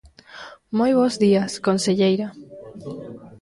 Moi bos días, conselleira.